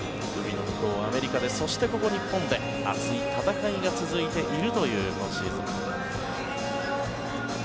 アメリカでそして、ここ日本で熱い戦いが続いているという今シーズン。